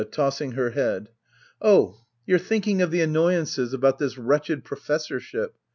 [Tossing her head,] Oh^ you're thinking of the annoyances about this wretched professorship